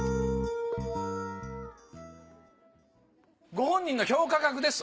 ご本人の評価額です。